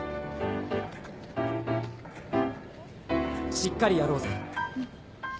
しっかりやろうぜ。